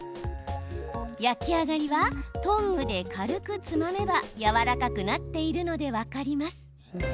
焼き上がりはトングで軽くつまめばやわらかくなっているので分かります。